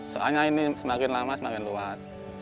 soalnya ini semakin lama semakin luas